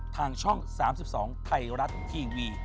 ทางช่อง๓๒ไทยรัฐทีวี